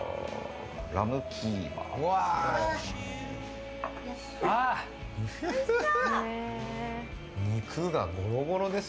ラムキーマです。